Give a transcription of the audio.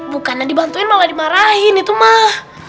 bukannya dibantuin malah dimarahin itu mah